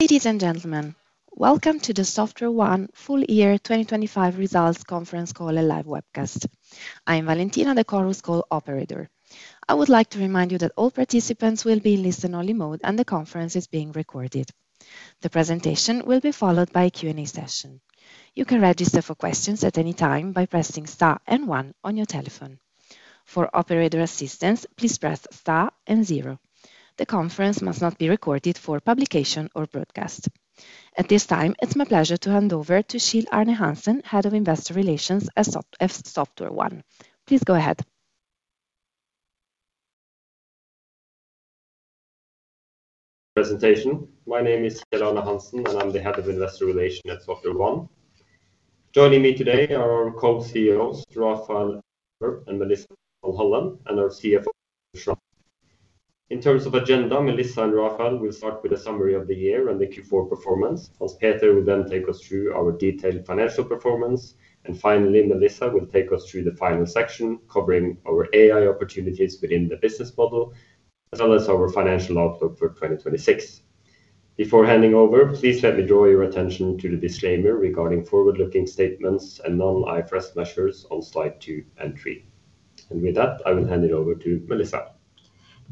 Ladies and gentlemen, welcome to the SoftwareOne full year 2025 results conference call and live webcast. I am Valentina, the Chorus Call operator. I would like to remind you that all participants will be in listen-only mode, and the conference is being recorded. The presentation will be followed by a Q&A session. You can register for questions at any time by pressing star and one on your telephone. For operator assistance, please press star and zero. The conference must not be recorded for publication or broadcast. At this time, it's my pleasure to hand over to Kjell Arne Hansen, Head of Investor Relations at SoftwareOne. Please go ahead. Presentation. My name is Kjell Arne Hansen, and I'm the Head of Investor Relations at SoftwareOne. Joining me today are our Co-CEOs, Raphael Erb and Melissa Mulholland, and our CFO, Hanspeter Schraner. In terms of agenda, Melissa and Raphael will start with a summary of the year and the Q4 performance. Hanspeter will then take us through our detailed financial performance. Finally, Melissa will take us through the final section, covering our AI opportunities within the business model as well as our financial outlook for 2026. Before handing over, please let me draw your attention to the disclaimer regarding forward-looking statements and non-IFRS measures on slide two and three. With that, I will hand it over to Melissa.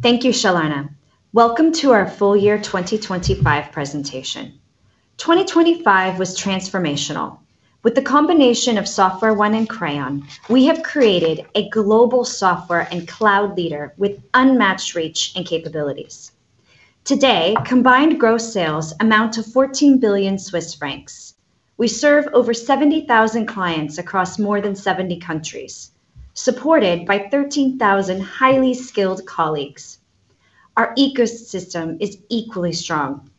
Thank you, Kjell Arne. Welcome to our full year 2025 presentation. 2025 was transformational. With the combination of SoftwareOne and Crayon, we have created a global software and cloud leader with unmatched reach and capabilities. Today, combined gross sales amount to 14 billion Swiss francs. We serve over 70,000 clients across more than 70 countries, supported by 13,000 highly skilled colleagues. Our ecosystem is equally strong,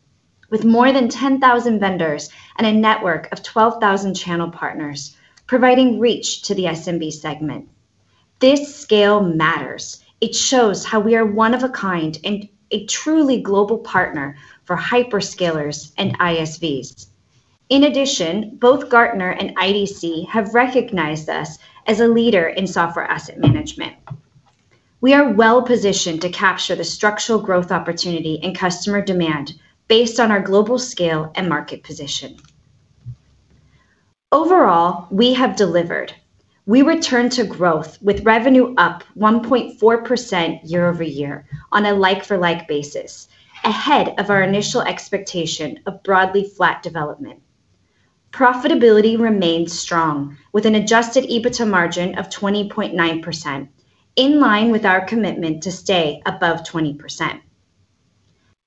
with more than 10,000 vendors and a network of 12,000 channel partners providing reach to the SMB segment. This scale matters. It shows how we are one of a kind and a truly global partner for hyperscalers and ISVs. In addition, both Gartner and IDC have recognized us as a leader in software asset management. We are well-positioned to capture the structural growth opportunity and customer demand based on our global scale and market position. Overall, we have delivered. We returned to growth with revenue up 1.4% year-over-year on a like-for-like basis, ahead of our initial expectation of broadly flat development. Profitability remained strong with an adjusted EBITDA margin of 20.9%, in line with our commitment to stay above 20%.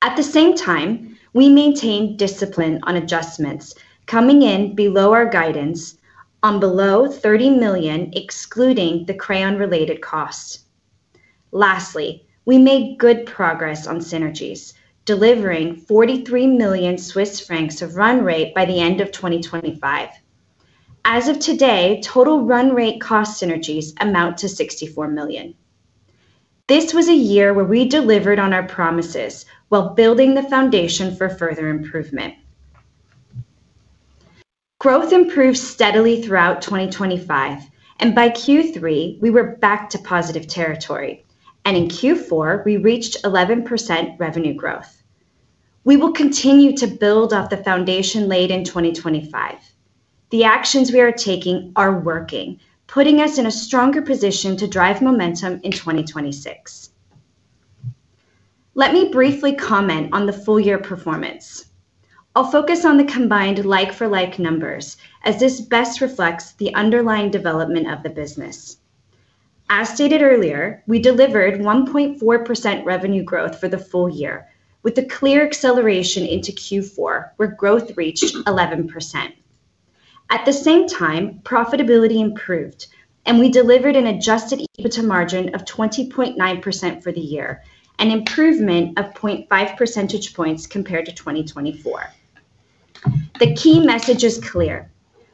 At the same time, we maintained discipline on adjustments coming in below our guidance of below 30 million, excluding the Crayon-related costs. Lastly, we made good progress on synergies, delivering 43 million Swiss francs of run rate by the end of 2025. As of today, total run rate cost synergies amount to 64 million. This was a year where we delivered on our promises while building the foundation for further improvement. Growth improved steadily throughout 2025, and by Q3 we were back to positive territory, and in Q4 we reached 11% revenue growth. We will continue to build off the foundation laid in 2025. The actions we are taking are working, putting us in a stronger position to drive momentum in 2026. Let me briefly comment on the full year performance. I'll focus on the combined like-for-like numbers as this best reflects the underlying development of the business. As stated earlier, we delivered 1.4% revenue growth for the full year with a clear acceleration into Q4, where growth reached 11%. At the same time, profitability improved, and we delivered an adjusted EBITDA margin of 20.9% for the year, an improvement of 0.5 percentage points compared to 2024. The key message is clear: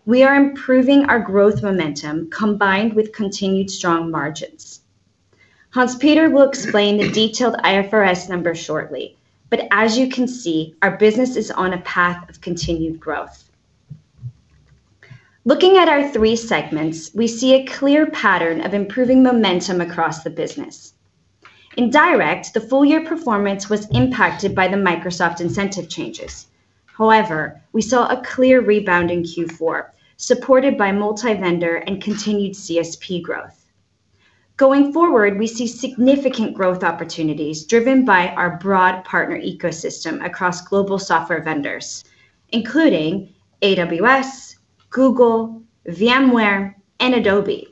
we are improving our growth momentum combined with continued strong margins. Hanspeter will explain the detailed IFRS numbers shortly, but as you can see, our business is on a path of continued growth. Looking at our three segments, we see a clear pattern of improving momentum across the business. In direct, the full-year performance was impacted by the Microsoft incentive changes. However, we saw a clear rebound in Q4, supported by multi-vendor and continued CSP growth. Going forward, we see significant growth opportunities driven by our broad partner ecosystem across global software vendors, including AWS, Google, VMware, and Adobe.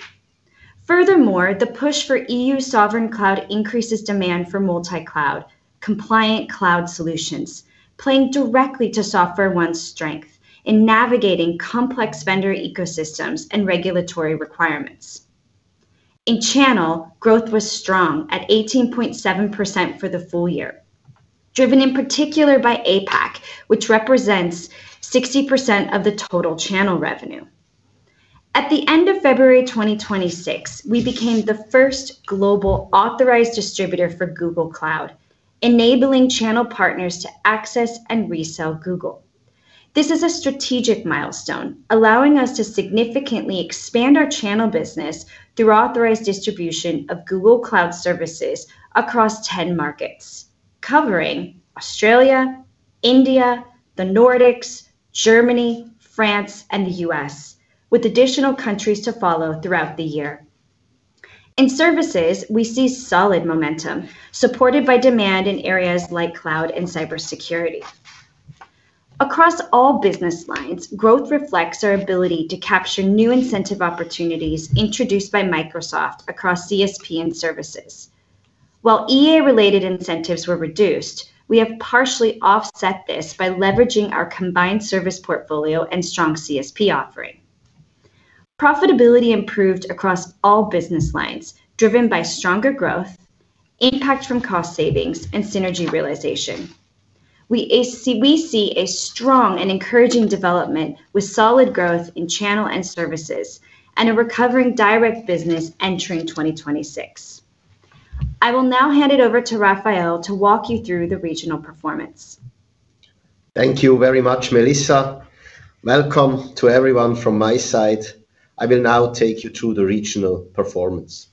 Furthermore, the push for EU sovereign cloud increases demand for multi-cloud compliant cloud solutions, playing directly to SoftwareOne's strength in navigating complex vendor ecosystems and regulatory requirements. In channel, growth was strong at 18.7% for the full year, driven in particular by APAC, which represents 60% of the total channel revenue. At the end of February 2026, we became the first global authorized distributor for Google Cloud, enabling channel partners to access and resell Google. This is a strategic milestone, allowing us to significantly expand our channel business through authorized distribution of Google Cloud Services across 10 markets, covering Australia, India, the Nordics, Germany, France, and the U.S., with additional countries to follow throughout the year. In services, we see solid momentum supported by demand in areas like cloud and cybersecurity. Across all business lines, growth reflects our ability to capture new incentive opportunities introduced by Microsoft across CSP and services. While EA-related incentives were reduced, we have partially offset this by leveraging our combined service portfolio and strong CSP offering. Profitability improved across all business lines, driven by stronger growth, impact from cost savings, and synergy realization. We see a strong and encouraging development with solid growth in channel and services and a recovering Direct business entering 2026. I will now hand it over to Raphael to walk you through the regional performance. Thank you very much, Melissa. Welcome to everyone from my side. I will now take you through the regional performance.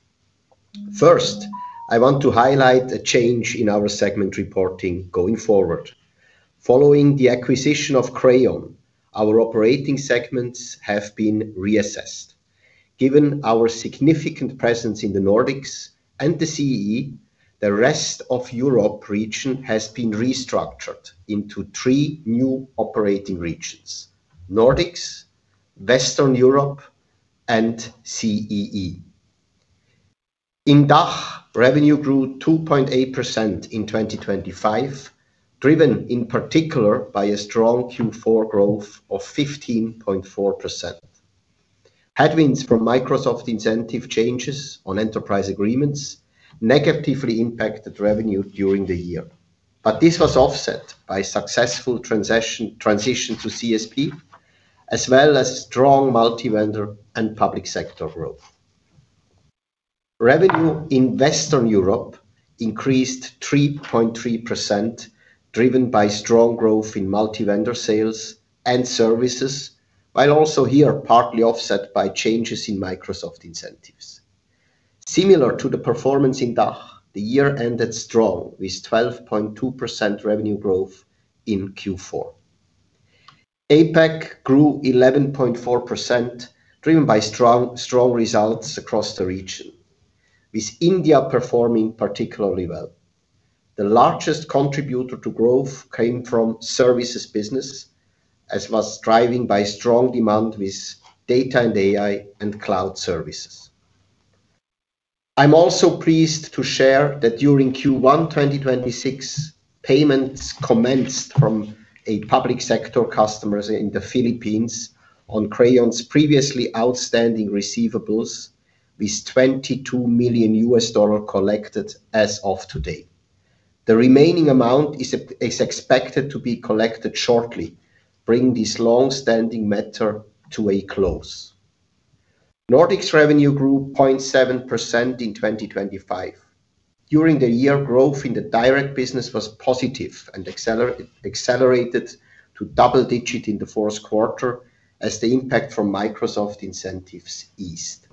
First, I want to highlight a change in our segment reporting going forward. Following the acquisition of Crayon, our operating segments have been reassessed. Given our significant presence in the Nordics and the CEE, the rest of Europe region has been restructured into three new operating regions: Nordics, Western Europe, and CEE. In DACH, revenue grew 2.8% in 2025, driven in particular by a strong Q4 growth of 15.4%. Headwinds from Microsoft incentive changes on Enterprise Agreements negatively impacted revenue during the year. This was offset by successful transition to CSP, as well as strong multi-vendor and public sector growth. Revenue in Western Europe increased 3.3%, driven by strong growth in multi-vendor sales and services, while also here partly offset by changes in Microsoft incentives. Similar to the performance in DACH, the year ended strong, with 12.2% revenue growth in Q4. APAC grew 11.4%, driven by strong results across the region, with India performing particularly well. The largest contributor to growth came from Services business, as was driven by strong demand with data and AI and cloud services. I'm also pleased to share that during Q1 2026, payments commenced from a public sector customers in the Philippines on Crayon's previously outstanding receivables with $22 million collected as of today. The remaining amount is expected to be collected shortly, bringing this long-standing matter to a close. Nordics revenue grew 0.7% in 2025. During the year, growth in the Direct business was positive and accelerated to double-digit in the fourth quarter as the impact from Microsoft incentives eased.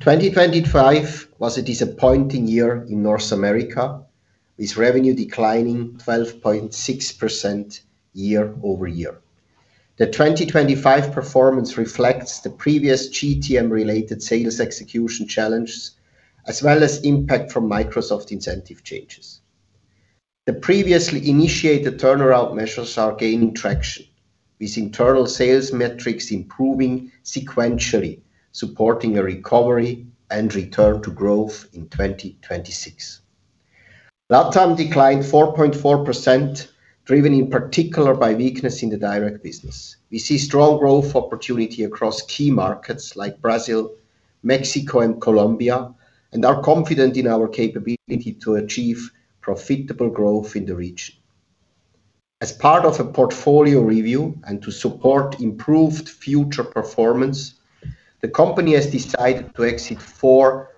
2025 was a disappointing year in North America, with revenue declining 12.6% year-over-year. The 2025 performance reflects the previous GTM-related sales execution challenges as well as impact from Microsoft incentive changes. The previously initiated turnaround measures are gaining traction, with internal sales metrics improving sequentially, supporting a recovery and return to growth in 2026. LATAM declined 4.4%, driven in particular by weakness in the Direct business. We see strong growth opportunity across key markets like Brazil, Mexico, and Colombia, and are confident in our capability to achieve profitable growth in the region. As part of a portfolio review and to support improved future performance, the company has decided to exit four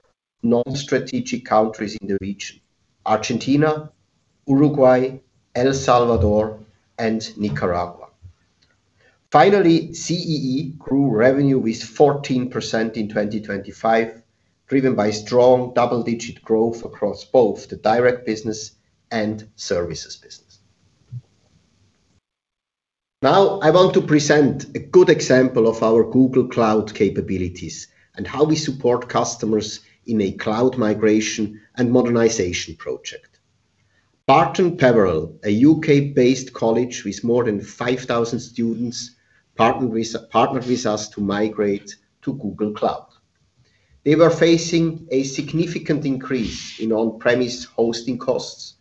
non-strategic countries in the region: Argentina, Uruguay, El Salvador, and Nicaragua. Finally, CEE grew revenue with 14% in 2025, driven by strong double-digit growth across both the Direct business and Services business. Now, I want to present a good example of our Google Cloud capabilities and how we support customers in a cloud migration and modernization project. Barton Peveril, a U.K.-based college with more than 5,000 students, partnered with us to migrate to Google Cloud. They were facing a significant increase in on-premise hosting costs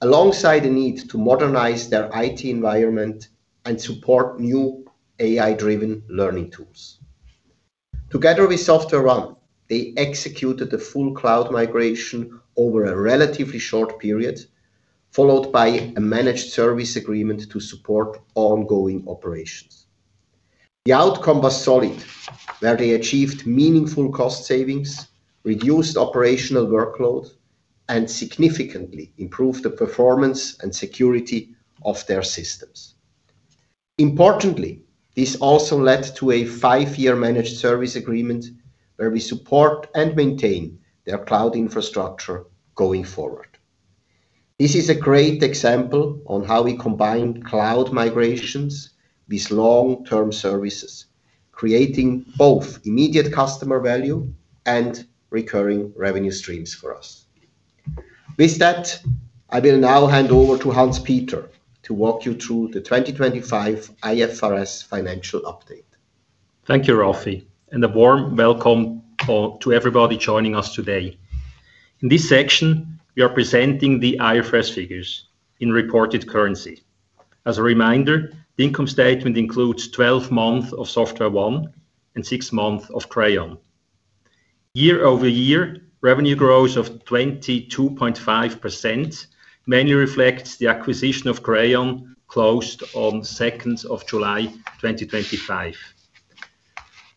alongside the need to modernize their IT environment and support new AI-driven learning tools. Together with SoftwareOne, they executed the full cloud migration over a relatively short period, followed by a Managed Service agreement to support ongoing operations. The outcome was solid, where they achieved meaningful cost savings, reduced operational workload, and significantly improved the performance and security of their systems. Importantly, this also led to a five-year Managed Service agreement where we support and maintain their cloud infrastructure going forward. This is a great example of how we combine cloud migrations with long-term services, creating both immediate customer value and recurring revenue streams for us. With that, I will now hand over to Hanspeter to walk you through the 2025 IFRS financial update. Thank you, Rafi, and a warm welcome to everybody joining us today. In this section, we are presenting the IFRS figures in reported currency. As a reminder, the income statement includes 12 months of SoftwareOne and six months of Crayon. Year-over-year, revenue growth of 22.5% mainly reflects the acquisition of Crayon closed on 2nd of July, 2025.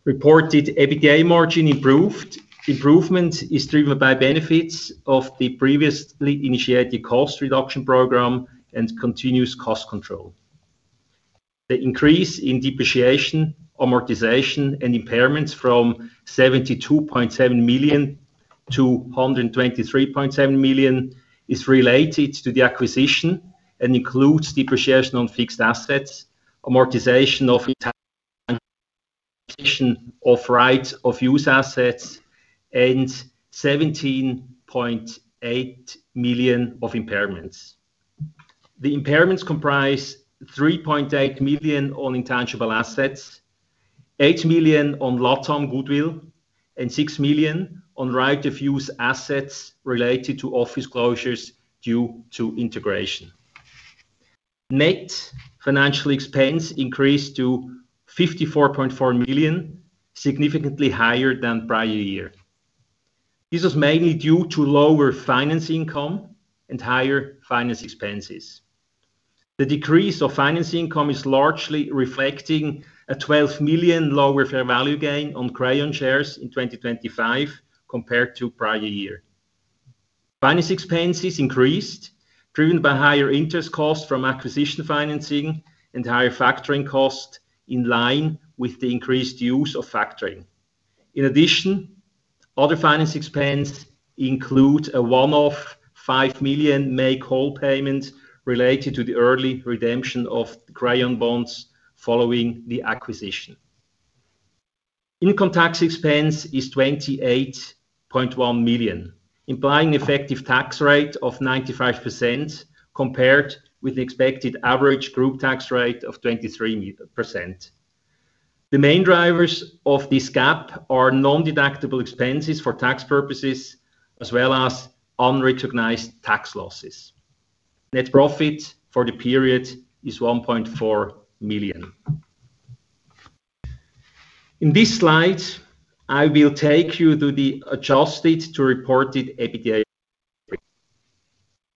Reported EBITDA margin improved. Improvement is driven by benefits of the previously initiated cost reduction program and continuous cost control. The increase in depreciation, amortization, and impairments from 72.7 million to 123.7 million is related to the acquisition and includes depreciation on fixed assets, amortization of right-of-use assets, and 17.8 million of impairments. The impairments comprise 3.8 million on intangible assets, 8 million on LATAM goodwill, and 6 million on right-of-use assets related to office closures due to integration. Net financial expense increased to 54.4 million, significantly higher than prior year. This was mainly due to lower finance income and higher finance expenses. The decrease of finance income is largely reflecting a 12 million lower fair value gain on Crayon shares in 2025 compared to prior year. Finance expenses increased, driven by higher interest costs from acquisition financing and higher factoring costs in line with the increased use of factoring. In addition, other finance expense include a one-off 5 million make-whole payment related to the early redemption of Crayon bonds following the acquisition. Income tax expense is 28.1 million, implying effective tax rate of 95% compared with the expected average group tax rate of 23%. The main drivers of this gap are non-deductible expenses for tax purposes as well as unrecognized tax losses. Net profit for the period is 1.4 million. In this slide, I will take you to the adjusted to reported EBITDA.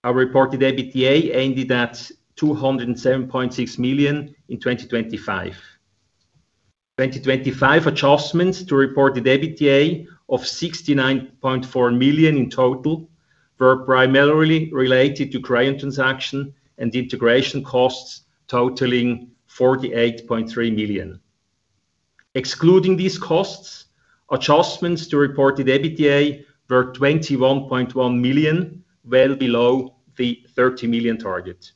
Our reported EBITDA ended at 207.6 million in 2025. 2025 adjustments to reported EBITDA of 69.4 million in total were primarily related to Crayon transaction and integration costs totaling 48.3 million. Excluding these costs, adjustments to reported EBITDA were 21.1 million, well below the 30 million target.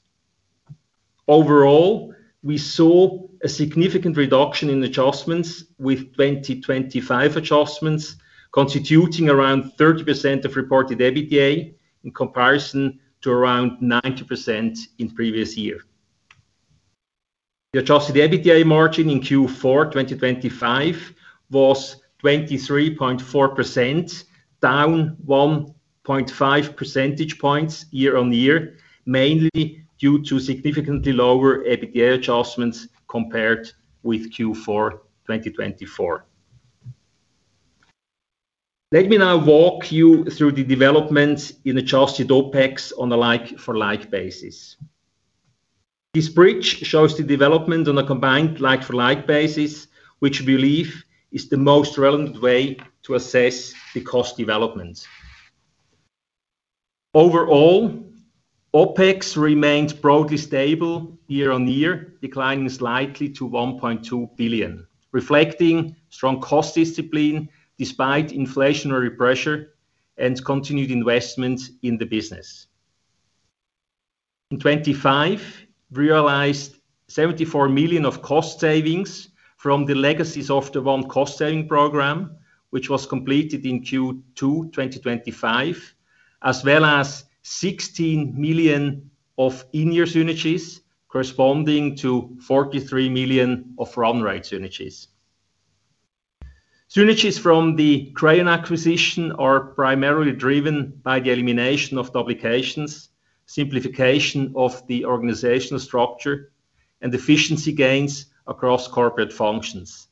Overall, we saw a significant reduction in adjustments, with 2025 adjustments constituting around 30% of reported EBITDA, in comparison to around 90% in previous year. The adjusted EBITDA margin in Q4 2025 was 23.4%, down 1.5 percentage points year-on-year, mainly due to significantly lower EBITDA adjustments compared with Q4 2024. Let me now walk you through the developments in adjusted OpEx on a like-for-like basis. This bridge shows the development on a combined like-for-like basis, which we believe is the most relevant way to assess the cost developments. Overall, OpEx remains broadly stable year-on-year, declining slightly to 1.2 billion, reflecting strong cost discipline despite inflationary pressure and continued investments in the business. In 2025, we realized 74 million of cost savings from the Legacy SoftwareOne cost-saving program, which was completed in Q2 2025, as well as 16 million of in-year synergies, corresponding to 43 million of run rate synergies. Synergies from the Crayon acquisition are primarily driven by the elimination of duplications, simplification of the organizational structure, and efficiency gains across corporate functions.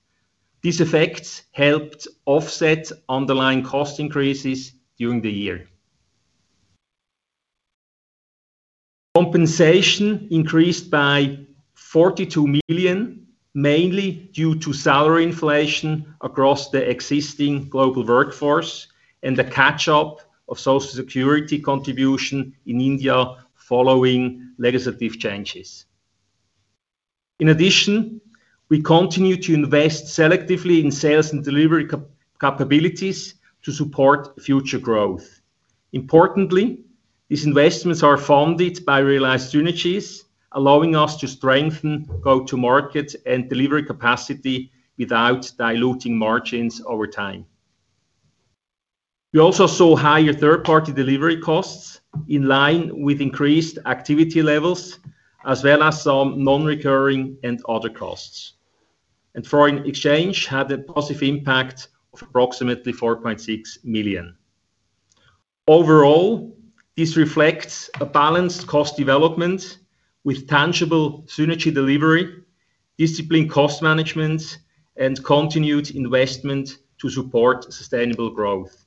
These effects helped offset underlying cost increases during the year. Compensation increased by 42 million, mainly due to salary inflation across the existing global workforce and the catch-up of Social Security contribution in India following legislative changes. In addition, we continue to invest selectively in sales and delivery capabilities to support future growth. Importantly, these investments are funded by realized synergies, allowing us to strengthen go-to-market and delivery capacity without diluting margins over time. We also saw higher third-party delivery costs in line with increased activity levels, as well as some non-recurring and other costs. Foreign exchange had a positive impact of approximately 4.6 million. Overall, this reflects a balanced cost development with tangible synergy delivery, disciplined cost management, and continued investment to support sustainable growth.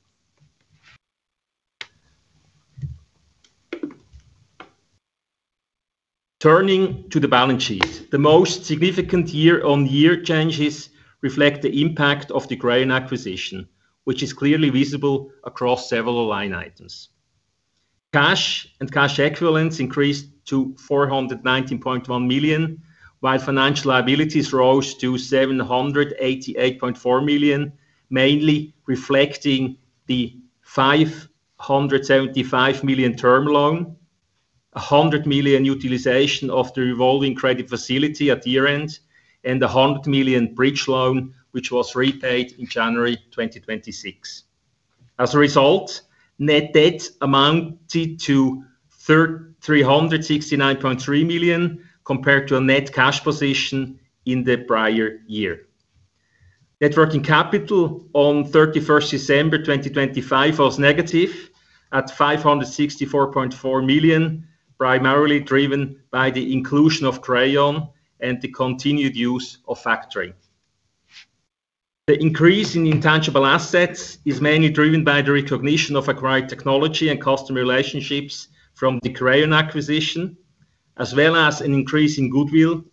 Turning to the balance sheet. The most significant year-on-year changes reflect the impact of the Crayon acquisition, which is clearly visible across several line items. Cash and cash equivalents increased to 419.1 million, while financial liabilities rose to 788.4 million, mainly reflecting the 575 million term loan, a 100 million utilization of the revolving credit facility at year-end, and the 100 million bridge loan, which was repaid in January 2026. As a result, net debt amounted to 369.3 million compared to a net cash position in the prior year. Net working capital on 31st December 2025 was negative at 564.4 million, primarily driven by the inclusion of Crayon and the continued use of factoring. The increase in intangible assets is mainly driven by the recognition of acquired technology and customer relationships from the Crayon acquisition, as well as an increase in goodwill,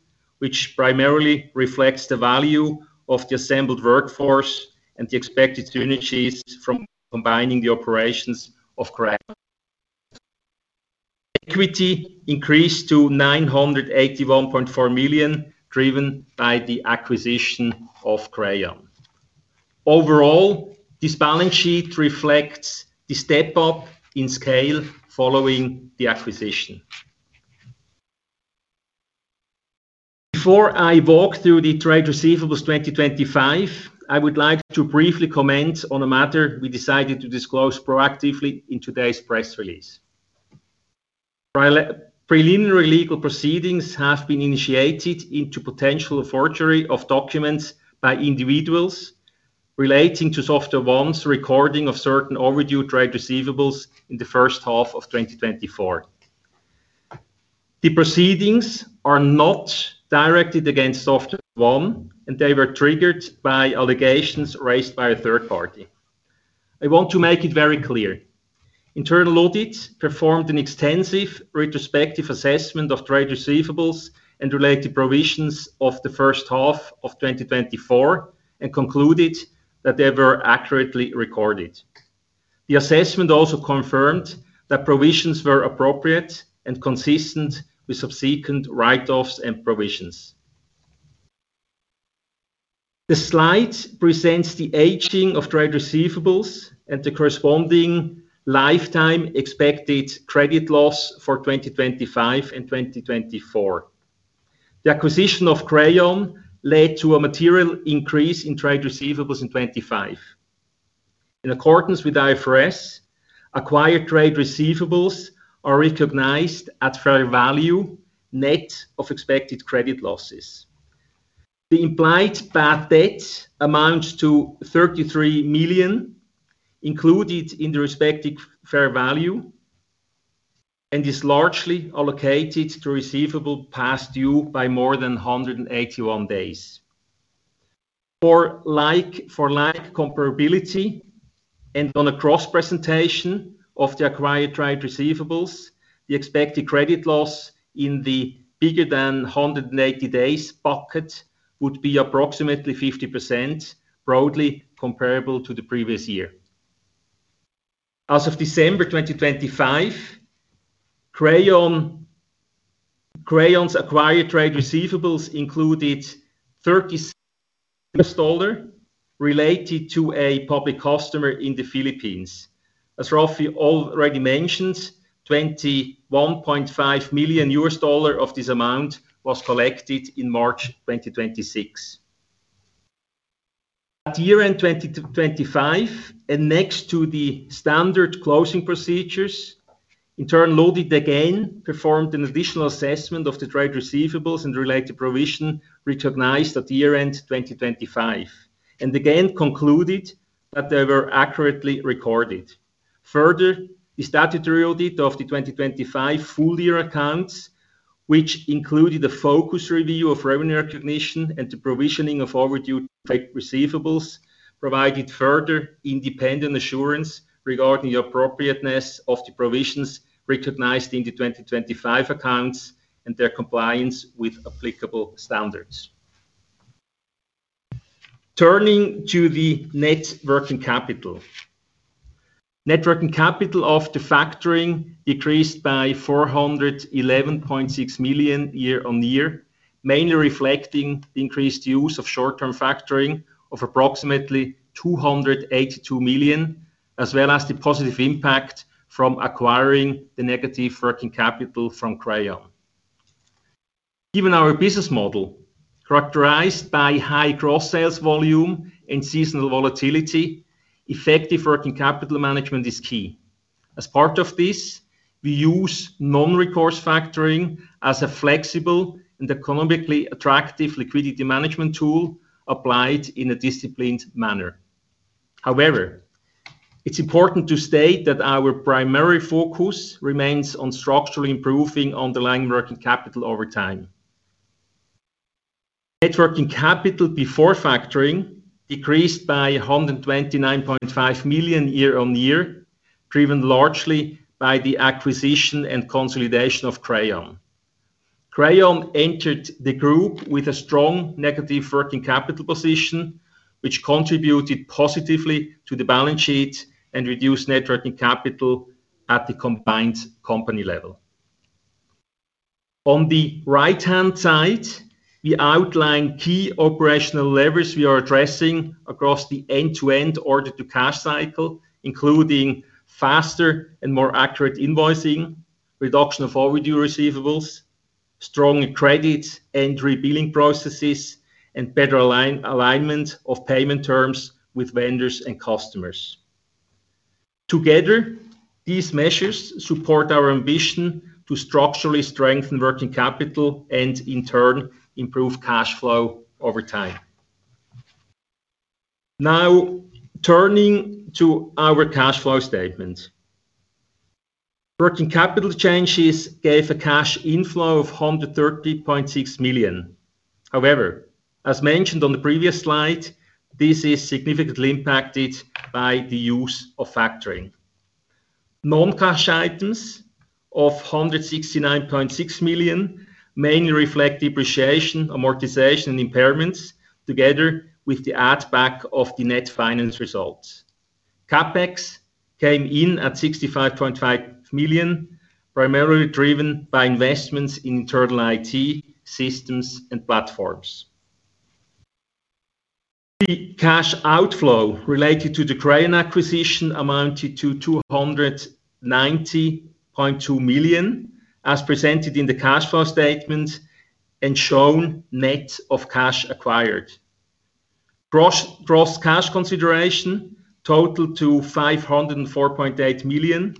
which primarily reflects the value of the assembled workforce and the expected synergies from combining the operations of Crayon. Equity increased to 981.4 million, driven by the acquisition of Crayon. Overall, this balance sheet reflects the step-up in scale following the acquisition. Before I walk through the trade receivables 2025, I would like to briefly comment on a matter we decided to disclose proactively in today's press release. Preliminary legal proceedings have been initiated into potential forgery of documents by individuals relating to SoftwareOne's recording of certain overdue trade receivables in the first half of 2024. The proceedings are not directed against SoftwareOne, and they were triggered by allegations raised by a third party. I want to make it very clear. Internal audit performed an extensive retrospective assessment of trade receivables and related provisions of the first half of 2024 and concluded that they were accurately recorded. The assessment also confirmed that provisions were appropriate and consistent with subsequent write-offs and provisions. The slide presents the aging of trade receivables and the corresponding lifetime expected credit loss for 2025 and 2024. The acquisition of Crayon led to a material increase in trade receivables in 2025. In accordance with IFRS, acquired trade receivables are recognized at fair value net of expected credit losses. The implied bad debt amounts to 33 million included in the respective fair value, and is largely allocated to receivables past due by more than 180 days. For like-for-like comparability and on a cross-presentation of the acquired trade receivables, the expected credit loss in the greater than 180 days bucket would be approximately 50%, broadly comparable to the previous year. As of December 2025, Crayon's acquired trade receivables included [36 million] related to a public customer in the Philippines. As Raffy already mentioned, $21.5 million of this amount was collected in March 2026. At year-end 2025 and next to the standard closing procedures, internal audit again performed an additional assessment of the trade receivables and related provision recognized at the year-end 2025 and again concluded that they were accurately recorded. Further, the statutory audit of the 2025 full year accounts, which included the focus review of revenue recognition and the provisioning of overdue receivables, provided further independent assurance regarding the appropriateness of the provisions recognized in the 2025 accounts and their compliance with applicable standards. Turning to the net working capital. Net working capital after factoring decreased by 411.6 million year-on-year, mainly reflecting increased use of short-term factoring of approximately 282 million, as well as the positive impact from acquiring the negative working capital from Crayon. Given our business model, characterized by high cross sales volume and seasonal volatility, effective working capital management is key. As part of this, we use non-recourse factoring as a flexible and economically attractive liquidity management tool applied in a disciplined manner. However, it's important to state that our primary focus remains on structurally improving underlying working capital over time. Net working capital before factoring decreased by 129.5 million year-on-year, driven largely by the acquisition and consolidation of Crayon. Crayon entered the Group with a strong negative working capital position, which contributed positively to the balance sheet and reduced net working capital at the combined company level. On the right-hand side, we outline key operational levers we are addressing across the end-to-end order to cash cycle, including faster and more accurate invoicing, reduction of overdue receivables, strong credit and rebilling processes, and better alignment of payment terms with vendors and customers. Together, these measures support our ambition to structurally strengthen working capital and in turn improve cash flow over time. Now turning to our cash flow statement. Working capital changes gave a cash inflow of 130.6 million. However, as mentioned on the previous slide, this is significantly impacted by the use of factoring. Non-cash items of 169.6 million mainly reflect depreciation, amortization, and impairments together with the add back of the net finance results. CapEx came in at 65.5 million, primarily driven by investments in internal IT systems and platforms. The cash outflow related to the Crayon acquisition amounted to 290.2 million, as presented in the cash flow statement and shown net of cash acquired. Gross cash consideration totaled to 504.8 million,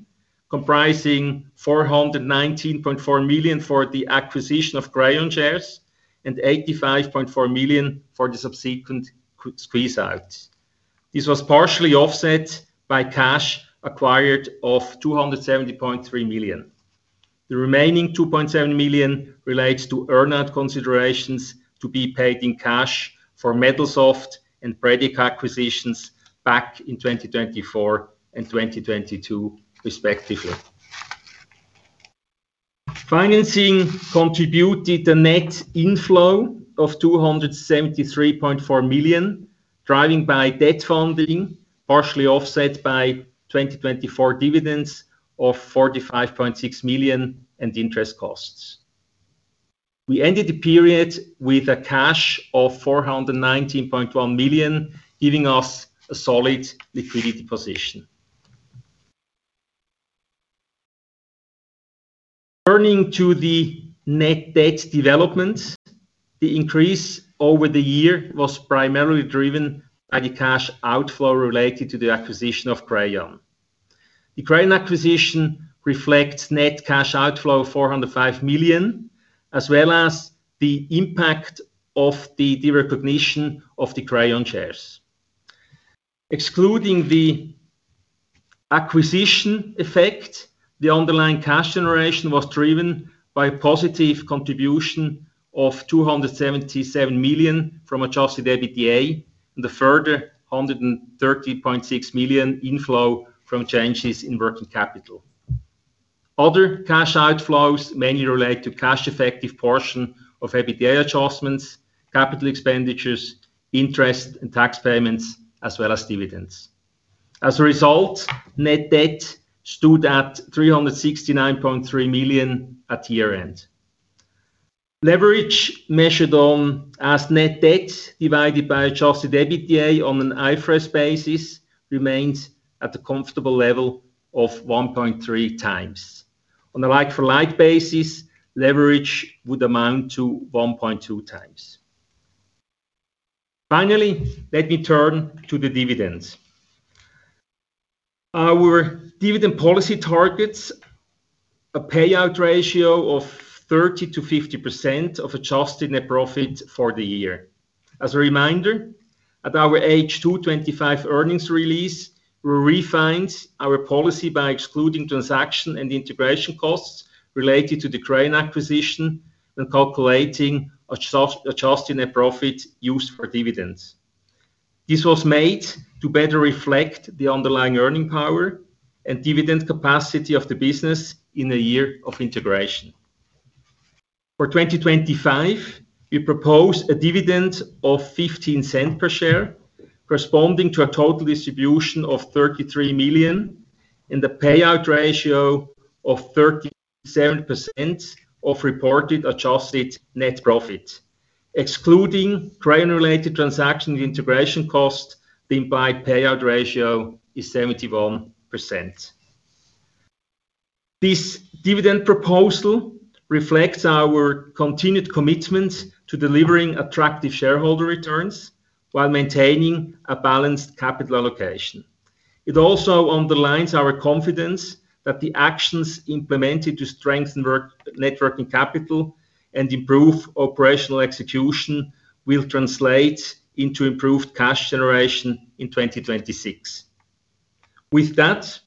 comprising 419.4 million for the acquisition of Crayon shares and 85.4 million for the subsequent squeeze-out. This was partially offset by cash acquired of 270.3 million. The remaining 2.7 million relates to earn-out considerations to be paid in cash for Medalsoft and Predica acquisitions back in 2024 and 2022 respectively. Financing contributed a net inflow of 273.4 million, driven by debt funding, partially offset by 2024 dividends of 45.6 million and interest costs. We ended the period with 419.1 million, giving us a solid liquidity position. Turning to the net debt developments, the increase over the year was primarily driven by the cash outflow related to the acquisition of Crayon. The Crayon acquisition reflects net cash outflow of 405 million, as well as the impact of the derecognition of the Crayon shares. Excluding the acquisition effect, the underlying cash generation was driven by a positive contribution of 277 million from adjusted EBITDA and a further 130.6 million inflow from changes in working capital. Other cash outflows mainly relate to cash effective portion of EBITDA adjustments, capital expenditures, interest and tax payments, as well as dividends. As a result, net debt stood at 369.3 million at year-end. Leverage measured on as net debt divided by adjusted EBITDA on an IFRS basis remains at a comfortable level of 1.3x. On a like-for-like basis, leverage would amount to 1.2x. Finally, let me turn to the dividends. Our dividend policy targets a payout ratio of 30%-50% of adjusted net profit for the year. As a reminder, at our H2 2025 earnings release, we refined our policy by excluding transaction and integration costs related to the Crayon acquisition and calculating adjusted net profit used for dividends. This was made to better reflect the underlying earning power and dividend capacity of the business in a year of integration. For 2025, we propose a dividend of 0.15 per share, corresponding to a total distribution of 33 million, and the payout ratio of 37% of reported adjusted net profit. Excluding Crayon-related transaction integration cost, the implied payout ratio is 71%. This dividend proposal reflects our continued commitment to delivering attractive shareholder returns while maintaining a balanced capital allocation. It also underlines our confidence that the actions implemented to strengthen our net working capital and improve operational execution will translate into improved cash generation in 2026. With that,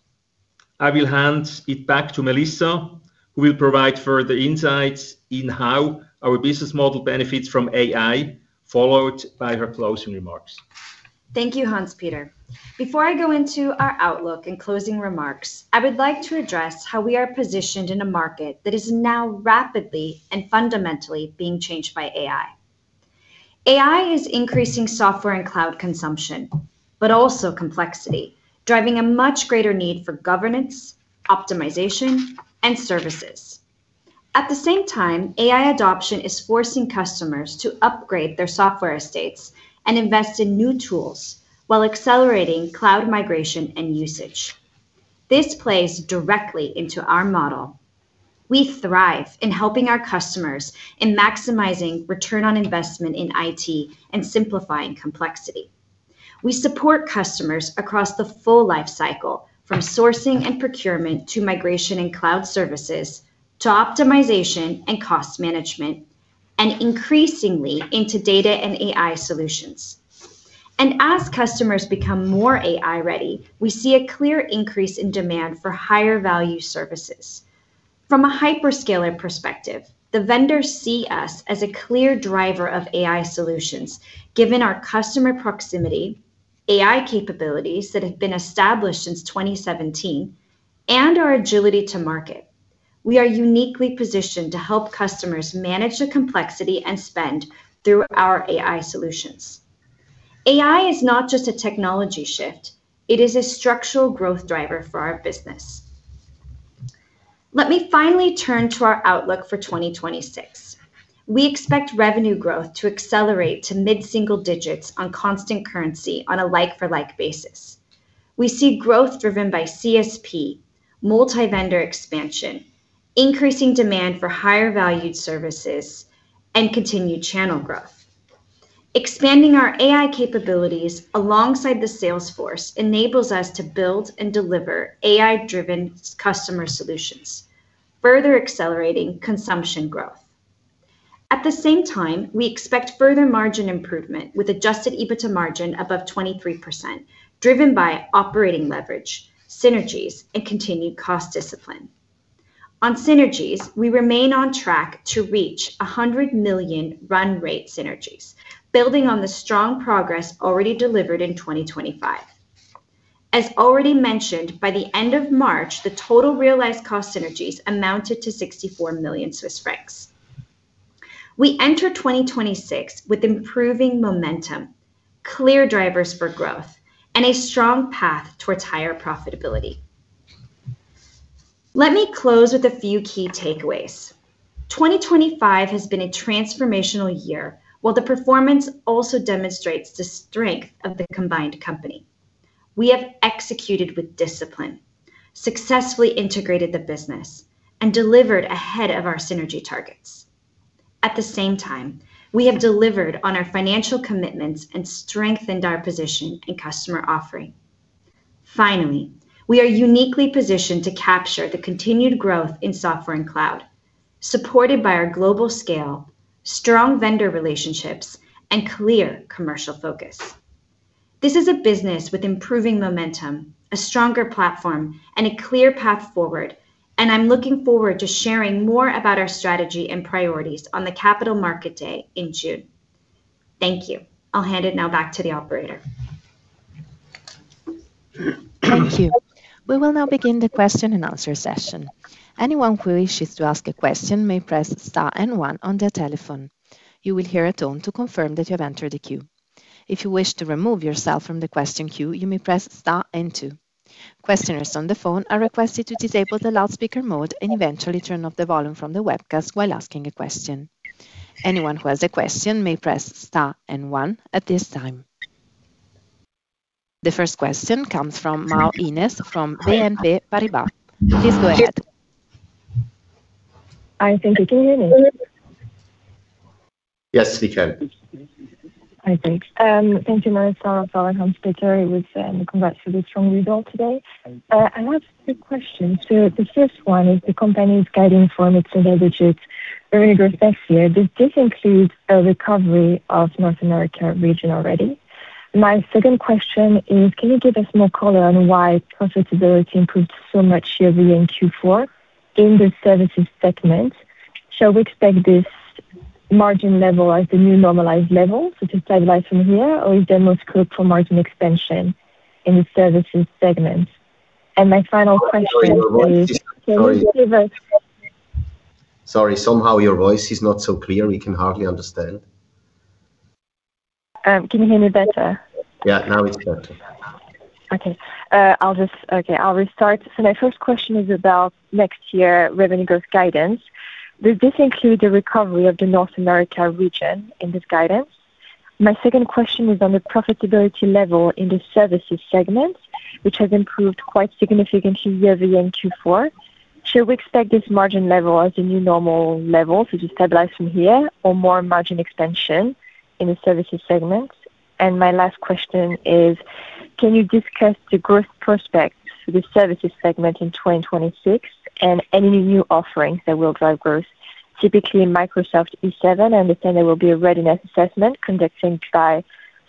I will hand it back to Melissa, who will provide further insights in how our business model benefits from AI, followed by her closing remarks. Thank you, Hanspeter. Before I go into our outlook and closing remarks, I would like to address how we are positioned in a market that is now rapidly and fundamentally being changed by AI. AI is increasing software and cloud consumption, but also complexity, driving a much greater need for governance, optimization, and services. At the same time, AI adoption is forcing customers to upgrade their software estates and invest in new tools while accelerating cloud migration and usage. This plays directly into our model. We thrive in helping our customers in maximizing return on investment in IT and simplifying complexity. We support customers across the full life cycle from sourcing and procurement to migration and cloud services to optimization and cost management, and increasingly into data and AI solutions. As customers become more AI-ready, we see a clear increase in demand for higher-value services. From a hyperscaler perspective, the vendors see us as a clear driver of AI solutions, given our customer proximity, AI capabilities that have been established since 2017, and our agility to market. We are uniquely positioned to help customers manage the complexity and spend through our AI solutions. AI is not just a technology shift, it is a structural growth driver for our business. Let me finally turn to our outlook for 2026. We expect revenue growth to accelerate to mid-single digits on constant currency on a like-for-like basis. We see growth driven by CSP, multi-vendor expansion, increasing demand for higher valued services, and continued channel growth. Expanding our AI capabilities alongside the sales force enables us to build and deliver AI-driven customer solutions, further accelerating consumption growth. At the same time, we expect further margin improvement with adjusted EBITDA margin above 23% driven by operating leverage, synergies, and continued cost discipline. On synergies, we remain on track to reach 100 million run rate synergies, building on the strong progress already delivered in 2025. As already mentioned, by the end of March, the total realized cost synergies amounted to 64 million Swiss francs. We enter 2026 with improving momentum, clear drivers for growth, and a strong path towards higher profitability. Let me close with a few key takeaways. 2025 has been a transformational year, while the performance also demonstrates the strength of the combined company. We have executed with discipline, successfully integrated the business, and delivered ahead of our synergy targets. At the same time, we have delivered on our financial commitments and strengthened our position and customer offering. Finally, we are uniquely positioned to capture the continued growth in software and cloud, supported by our global scale, strong vendor relationships, and clear commercial focus. This is a business with improving momentum, a stronger platform, and a clear path forward, and I'm looking forward to sharing more about our strategy and priorities on the Capital Market Day in June. Thank you. I'll hand it now back to the operator. Thank you. We will now begin the question-and-answer session. Anyone who wishes to ask a question may press star and one on their telephone. You will hear a tone to confirm that you have entered a queue. If you wish to remove yourself from the question queue, you may press star and two. Questioners on the phone are requested to disable the loudspeaker mode and eventually turn off the volume from the webcast while asking a question. Anyone who has a question may press star and one at this time. The first question comes from Mao Ines from BNP Paribas. Please go ahead. I think you can hear me. Yes, we can. Thank you, Melissa and Hanspeter, with congrats to the strong result today. I have two questions. The first one is the company's guidance for. Does this include a recovery of the North America region already? My second question is, can you give us more color on why profitability improved so much year-over-year in Q4 in the Services segment? Shall we expect this margin level as the new normalized level to stabilize from here or is there more scope for margin expansion in the Services segment? And my final question is- Sorry. Can you give us- Sorry, somehow your voice is not so clear. We can hardly understand. Can you hear me better? Yeah. Now it's better. Okay. I will start. My first question is about next year revenue growth guidance. Does this include the recovery of the North America region in this guidance? My second question is on the profitability level in the Services segment, which has improved quite significantly year-over-year in Q4. Shall we expect this margin level as the new normal level to just stabilize from here or more margin expansion in the Services segment? My last question is, can you discuss the growth prospects for the Services segment in 2026 and any new offerings that will drive growth? Typically in Microsoft E7, I understand there will be a readiness assessment conducted by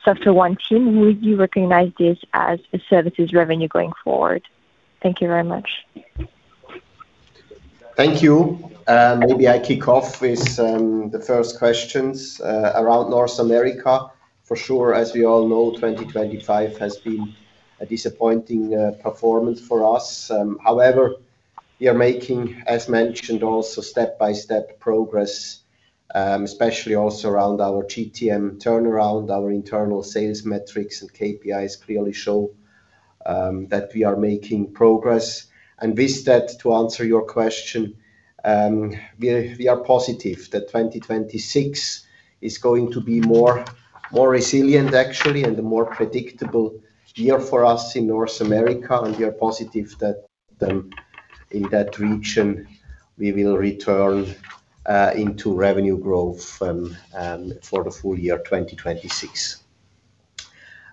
SoftwareOne team. Would you recognize this as a Services revenue going forward? Thank you very much. Thank you. Maybe I kick off with the first questions around North America. For sure, as we all know, 2025 has been a disappointing performance for us. However, we are making, as mentioned, also step-by-step progress, especially also around our GTM turnaround. Our internal sales metrics and KPIs clearly show that we are making progress. With that, to answer your question, we are positive that 2026 is going to be more resilient actually, and a more predictable year for us in North America. We are positive that in that region we will return to revenue growth for the full year 2026.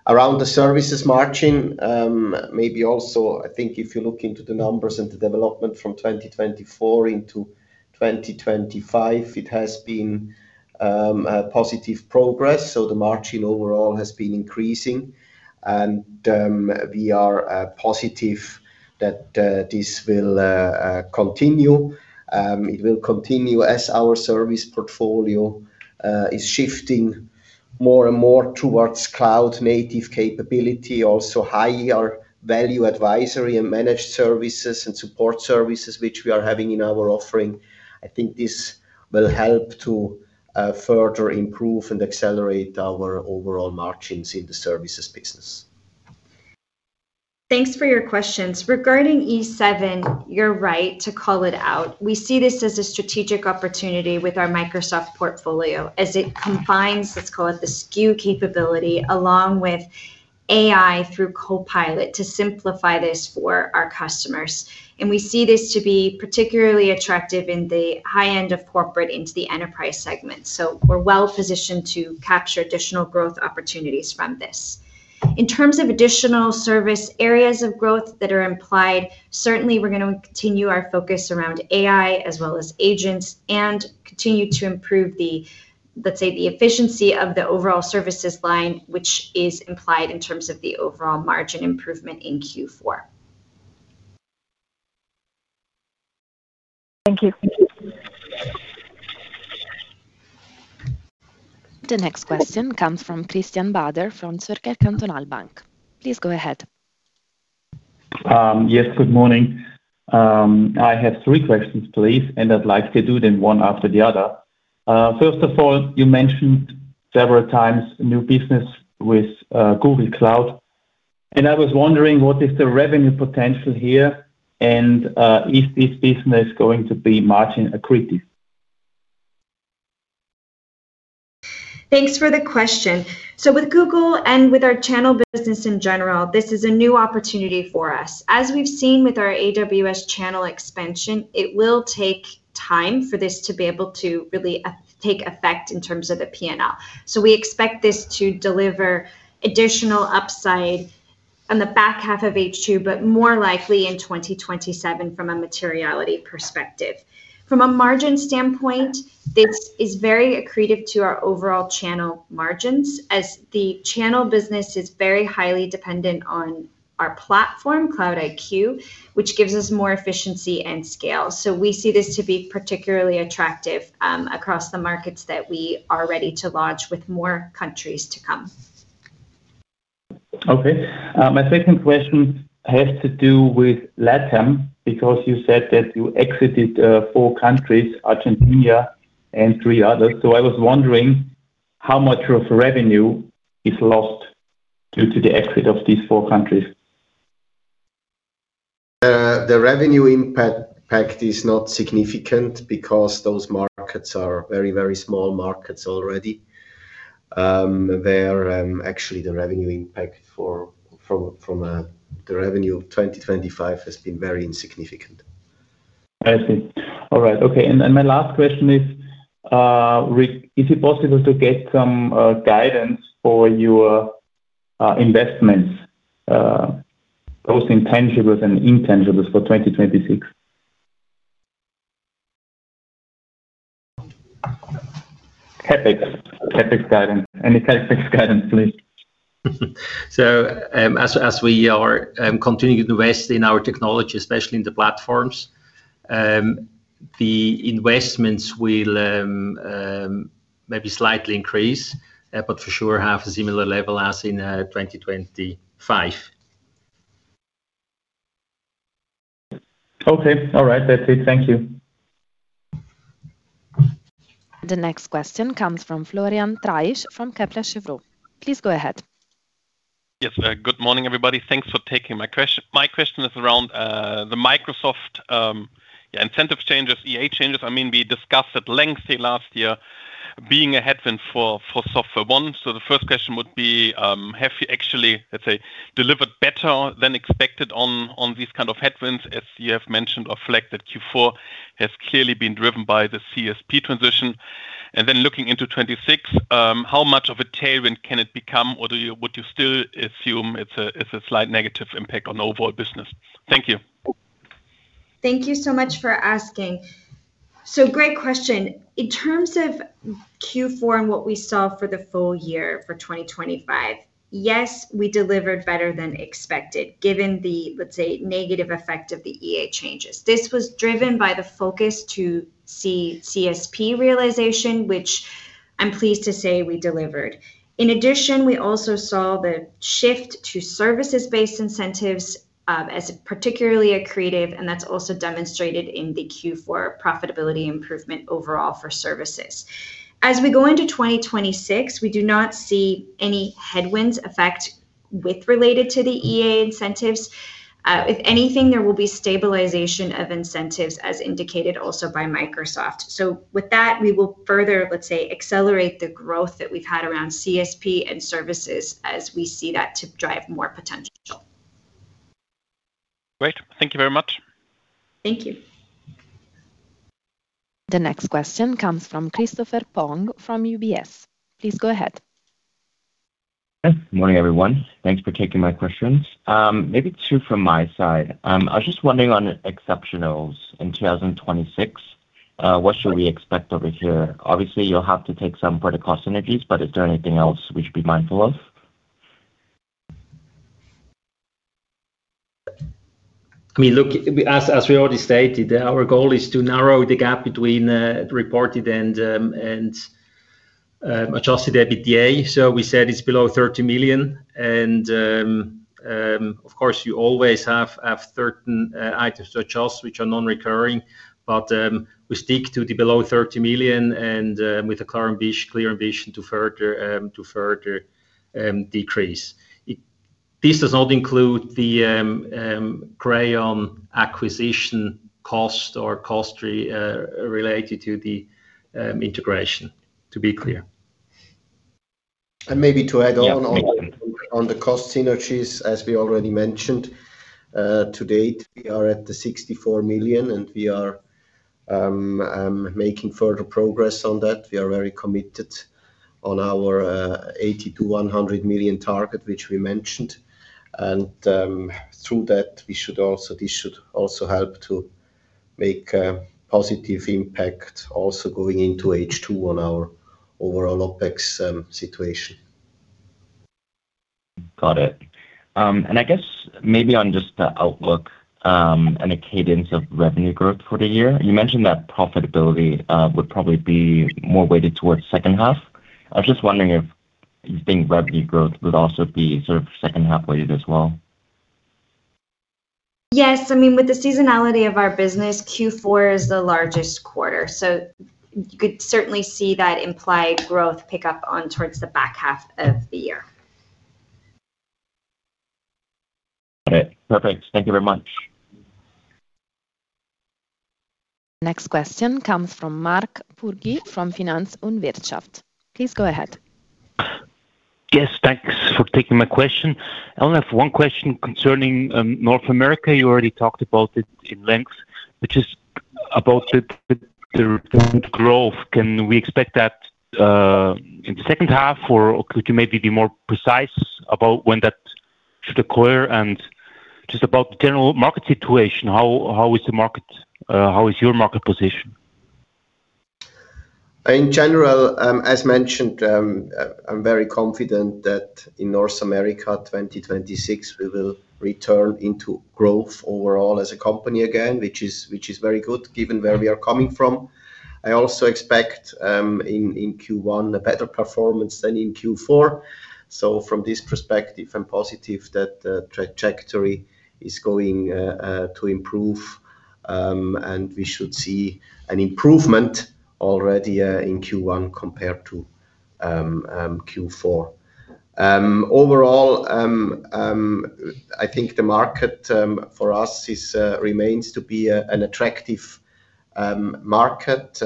Around the Services margin, maybe also I think if you look into the numbers and the development from 2024 into 2025, it has been a positive progress. The margin overall has been increasing. We are positive that this will continue. It will continue as our Service portfolio is shifting more and more towards cloud native capability, also higher value Advisory and Managed Services and Support Services which we are having in our offering. I think this will help to further improve and accelerate our overall margins in the Services business. Thanks for your questions. Regarding E7, you're right to call it out. We see this as a strategic opportunity with our Microsoft portfolio as it combines, let's call it the SKU capability, along with AI through Copilot to simplify this for our customers. We see this to be particularly attractive in the high end of corporate into the Enterprise segment. We're well-positioned to capture additional growth opportunities from this. In terms of additional service areas of growth that are implied, certainly we're gonna continue our focus around AI as well as agents and continue to improve the, let's say, the efficiency of the overall services line, which is implied in terms of the overall margin improvement in Q4. Thank you. The next question comes from Christian Bader from Zürcher Kantonalbank. Please go ahead. Yes, good morning. I have three questions please, and I'd like to do them one after the other. First of all, you mentioned several times new business with Google Cloud, and I was wondering what is the revenue potential here and is this business going to be margin accretive? Thanks for the question. With Google and with our channel business in general, this is a new opportunity for us. As we've seen with our AWS channel expansion, it will take time for this to be able to really take effect in terms of the P&L. We expect this to deliver additional upside on the back half of H2, but more likely in 2027 from a materiality perspective. From a margin standpoint, this is very accretive to our overall channel margins as the channel business is very highly dependent on our platform, CloudIQ, which gives us more efficiency and scale. We see this to be particularly attractive across the markets that we are ready to launch with more countries to come. Okay. My second question has to do with LATAM because you said that you exited four countries, Argentina and three others. I was wondering how much revenue is lost due to the exit of these four countries? The revenue impact is not significant because those markets are very small markets already. Actually, the revenue impact from the revenue of 2025 has been very insignificant. I see. All right. Okay. My last question is it possible to get some guidance for your investments? Both in tangibles and intangibles for 2026. CapEx guidance. Any CapEx guidance, please. We are continuing to invest in our technology, especially in the platforms. The investments will maybe slightly increase, but for sure have a similar level as in 2025. Okay. All right. That's it. Thank you. The next question comes from Florian Treisch from Kepler Cheuvreux. Please go ahead. Yes. Good morning, everybody. Thanks for taking my question is around the Microsoft incentive changes, EA changes. I mean, we discussed at length here last year being a headwind for SoftwareOne. The first question would be, have you actually, let's say, delivered better than expected on these kind of headwinds, as you have mentioned or flagged that Q4 has clearly been driven by the CSP transition? Looking into 2026, how much of a tailwind can it become? Or would you still assume it's a slight negative impact on overall business? Thank you. Thank you so much for asking. Great question. In terms of Q4 and what we saw for the full year for 2025, yes, we delivered better than expected, given the, let's say, negative effect of the EA changes. This was driven by the focus on CSP realization, which I'm pleased to say we delivered. In addition, we also saw the shift to services-based incentives, as particularly accretive, and that's also demonstrated in the Q4 profitability improvement overall for services. As we go into 2026, we do not see any headwind effects related to the EA incentives. If anything, there will be stabilization of incentives as indicated also by Microsoft. With that, we will further, let's say, accelerate the growth that we've had around CSP and Services as we see that to drive more potential. Great. Thank you very much. Thank you. The next question comes from Christopher Tong from UBS. Please go ahead. Yes. Morning, everyone. Thanks for taking my questions. Maybe two from my side. I was just wondering on exceptionals in 2026, what should we expect over here? Obviously, you'll have to take some for the cost synergies, but is there anything else we should be mindful of? I mean, look, as we already stated, our goal is to narrow the gap between reported and adjusted EBITDA. We said it's below 30 million. Of course, you always have certain items to adjust which are non-recurring. We stick to the below 30 million and with a clear ambition to further decrease. This does not include the Crayon acquisition cost or costs related to the integration, to be clear. Maybe to add on the cost synergies, as we already mentioned, to date, we are at the 64 million, and we are making further progress on that. We are very committed on our 80 million-100 million target, which we mentioned. Through that, this should also help to make a positive impact also going into H2 on our overall OpEx situation. Got it. I guess maybe on just the outlook, and the cadence of revenue growth for the year. You mentioned that profitability would probably be more weighted towards second half. I was just wondering if you think revenue growth would also be sort of second half-weighted as well? Yes. I mean, with the seasonality of our business, Q4 is the largest quarter, so you could certainly see that implied growth pick up on towards the back half of the year. Okay. Perfect. Thank you very much. Next question comes from Marc Bürgi from Finanz und Wirtschaft. Please go ahead. Yes, thanks for taking my question. I only have one question concerning North America. You already talked about it at length, which is about the growth. Can we expect that in the second half, or could you maybe be more precise about when that should occur? And just about the general market situation, how is the market? How is your market position? In general, as mentioned, I'm very confident that in North America, 2026, we will return into growth overall as a company again, which is very good given where we are coming from. I also expect in Q1 a better performance than in Q4. From this perspective, I'm positive that the trajectory is going to improve, and we should see an improvement already in Q1 compared to Q4. Overall, I think the market for us remains to be an attractive market.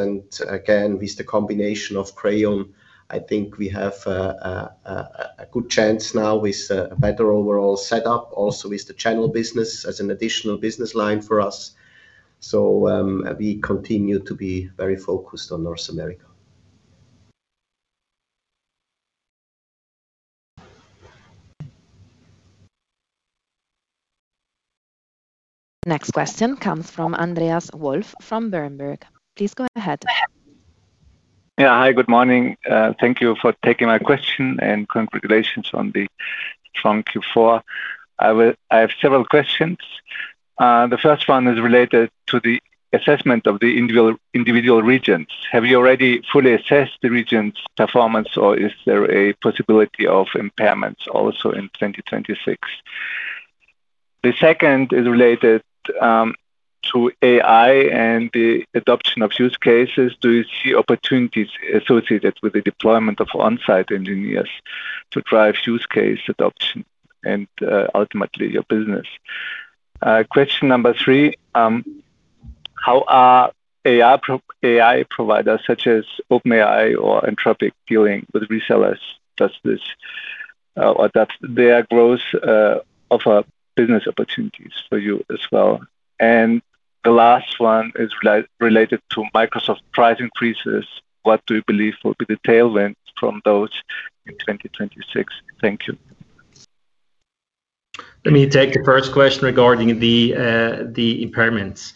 Again, with the combination of Crayon, I think we have a good chance now with a better overall setup also with the channel business as an additional business line for us. We continue to be very focused on North America. The next question comes from Andreas Wolf from Berenberg. Please go ahead. Yeah. Hi, good morning. Thank you for taking my question, and congratulations on the strong Q4. I have several questions. The first one is related to the assessment of the individual regions. Have you already fully assessed the regions' performance, or is there a possibility of impairments also in 2026? The second is related to AI and the adoption of use cases. Do you see opportunities associated with the deployment of on-site engineers to drive use case adoption and ultimately your business? Question number three. How are AI providers such as OpenAI or Anthropic dealing with resellers [such this]?[Adapt] their growth offer business opportunities for you as well. The last one is related to Microsoft price increases. What do you believe will be the tailwind from those in 2026? Thank you. Let me take the first question regarding the impairments.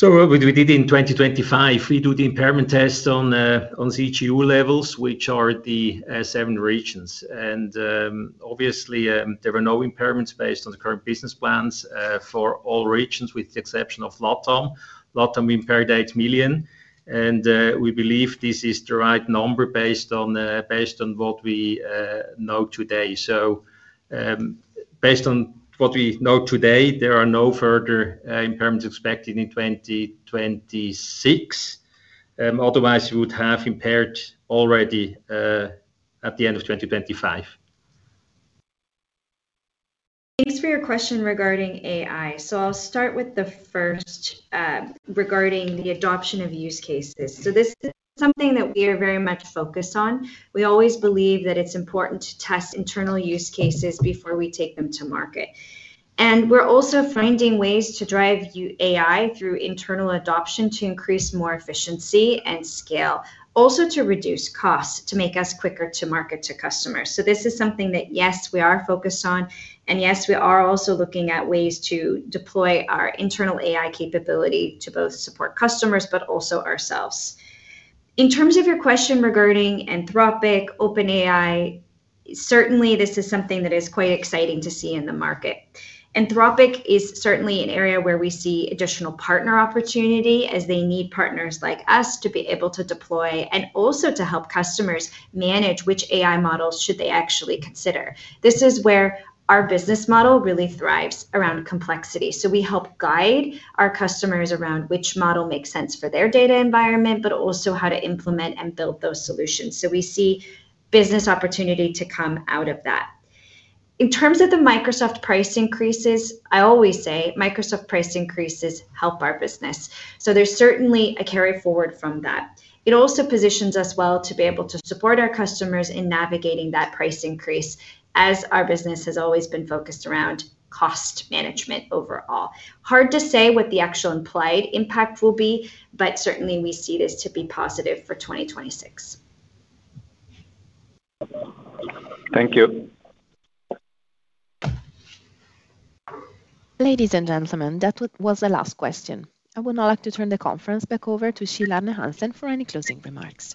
What we did in 2025, we do the impairment test on CGU levels, which are the seven regions. Obviously, there were no impairments based on the current business plans for all regions with the exception of LATAM. LATAM impaired 8 million and we believe this is the right number based on what we know today. Based on what we know today, there are no further impairments expected in 2026. Otherwise, we would have impaired already at the end of 2025. Thanks for your question regarding AI. I'll start with the first, regarding the adoption of use cases. This is something that we are very much focused on. We always believe that it's important to test internal use cases before we take them to market. We're also finding ways to drive AI through internal adoption to increase more efficiency and scale. Also to reduce costs, to make us quicker to market to customers. This is something that, yes, we are focused on, and yes, we are also looking at ways to deploy our internal AI capability to both support customers but also ourselves. In terms of your question regarding Anthropic, OpenAI, certainly this is something that is quite exciting to see in the market. Anthropic is certainly an area where we see additional partner opportunity as they need partners like us to be able to deploy and also to help customers manage which AI models should they actually consider. This is where our business model really thrives around complexity, so we help guide our customers around which model makes sense for their data environment, but also how to implement and build those solutions. We see business opportunity to come out of that. In terms of the Microsoft price increases, I always say Microsoft price increases help our business, so there's certainly a carry forward from that. It also positions us well to be able to support our customers in navigating that price increase as our business has always been focused around cost management overall. Hard to say what the actual implied impact will be, but certainly we see this to be positive for 2026. Thank you. Ladies and gentlemen, that was the last question. I would now like to turn the conference back over to Kjell Arne Hansen for any closing remarks.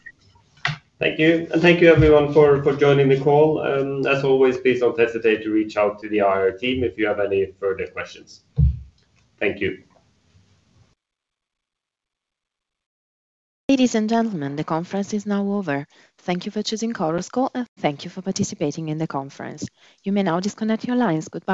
Thank you. Thank you everyone for joining the call. As always, please don't hesitate to reach out to the IR team if you have any further questions. Thank you. Ladies and gentlemen, the conference is now over. Thank you for choosing Chorus Call, and thank you for participating in the conference. You may now disconnect your lines. Goodbye.